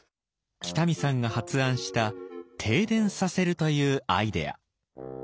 北見さんが発案した停電させるというアイデア。